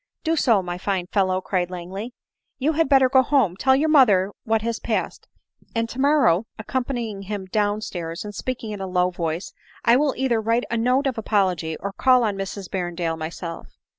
" Do so, my fine fellow," cried Langley ;" you had better go home, tell your mother what has passed, and tomorrow, (accompanying him down stairs, and speak ing in a low voice,) I will either write a note of apology or call on Mrs Berrendale myself."